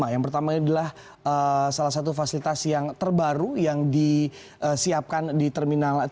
yang pertama ini adalah salah satu fasilitas yang terbaru yang disiapkan di terminal tiga